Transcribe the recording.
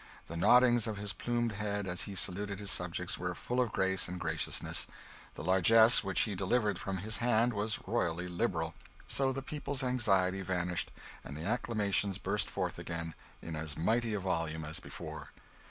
The noddings of his plumed head as he saluted his subjects were full of grace and graciousness; the largess which he delivered from his hand was royally liberal: so the people's anxiety vanished, and the acclamations burst forth again in as mighty a volume as before.